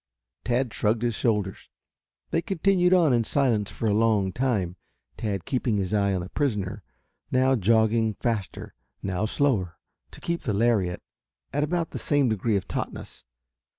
"_ Tad shrugged his shoulders. They continued on in silence for a long time, Tad keeping his eyes on the prisoner, now jogging faster, now slower, to keep the lariat at about the same degree of tautness.